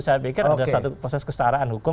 saya pikir ada satu proses kesetaraan hukum